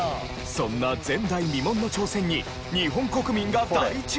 そんな前代未聞の挑戦に日本国民が大注目したのです。